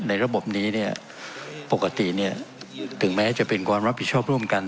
ในระบบนี้เนี่ยปกติเนี่ยถึงแม้จะเป็นกว้ารับผิดชอบร่วมกัน